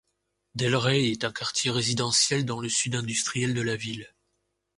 Delray est un quartier résidentiel dans le sud industriel de la ville.